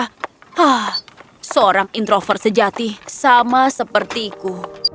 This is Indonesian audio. hah seorang introver sejati sama sepertiku